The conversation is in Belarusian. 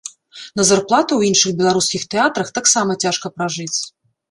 На зарплату ў іншых беларускіх тэатрах таксама цяжка пражыць.